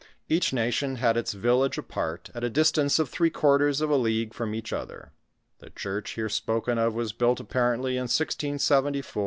Each nation had its village apart, at a distance of three quarters of a league from each other. The church here spoken of was built apparently in 1674, while F.